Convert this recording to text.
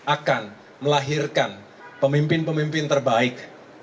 akan melahirkan pemimpin pemimpin terbaik